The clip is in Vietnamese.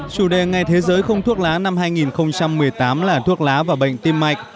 chủ đề ngày thế giới không thuốc lá năm hai nghìn một mươi tám là thuốc lá và bệnh tim mạch